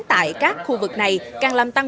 tại các khu vực này càng làm tăng